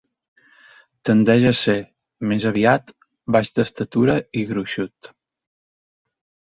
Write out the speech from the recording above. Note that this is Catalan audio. Tendeix a ser, més aviat, baix d'estatura i gruixut.